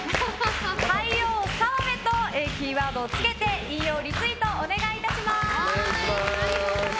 肺王さわべ」とキーワードをつけて引用リツイートをお願いします。